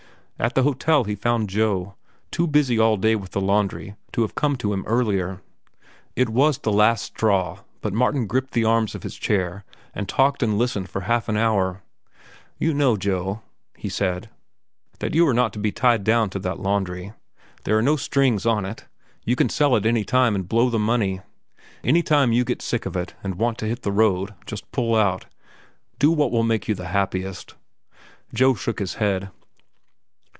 At the hotel he found Joe, too busy all day with the laundry to have come to him earlier. It was the last straw, but Martin gripped the arms of his chair and talked and listened for half an hour. "You know, Joe," he said, "that you are not tied down to that laundry. There are no strings on it. You can sell it any time and blow the money. Any time you get sick of it and want to hit the road, just pull out. Do what will make you the happiest." Joe shook his head.